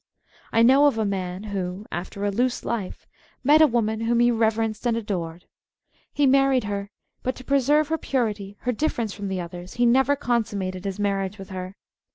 I know of a man who, after a loose life, met a woman whom he reverenced and adored. He married her, but to preserve her " purity," her difference from the others, he never consummated his marriage with her.